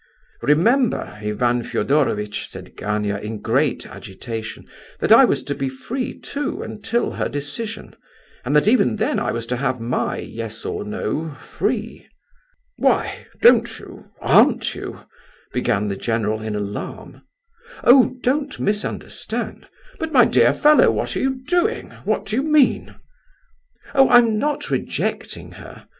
"Remember, Ivan Fedorovitch," said Gania, in great agitation, "that I was to be free too, until her decision; and that even then I was to have my 'yes or no' free." "Why, don't you, aren't you—" began the general, in alarm. "Oh, don't misunderstand—" "But, my dear fellow, what are you doing, what do you mean?" "Oh, I'm not rejecting her.